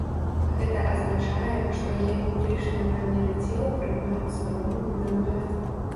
Гэта азначае, што геаметрычныя памеры цела прымаюцца роўнымі да нуля.